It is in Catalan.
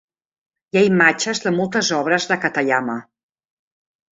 Hi ha imatges de moltes obres de Katayama.